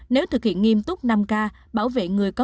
nếu thực hiện nghiêm túc năm k bảo vệ người có